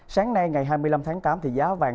sáng nay ngày hai mươi năm tháng tám thì giá vàng